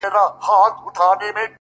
مُلا سړی سو په خپل وعظ کي نجلۍ ته ويل